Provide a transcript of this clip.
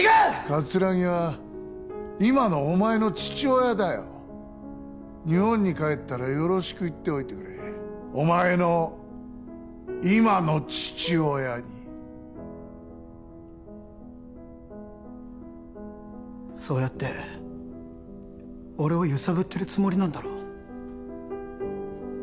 桂木は今のお前の父親だよ日本に帰ったらよろしく言っておいてくれお前の今の父親にそうやって俺を揺さぶってるつもりなんだろ